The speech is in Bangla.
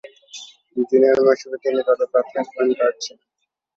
জুনিয়র মৌসুমে তিনি দলের প্রাথমিক পয়েন্ট গার্ড ছিলেন।